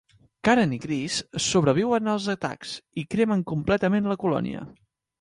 Karen i Chris sobreviuen als atacs i cremen completament la colònia.